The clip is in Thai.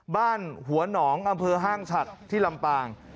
บ้านหัวหนองอำเภอห้างฉัดที่ลำปาง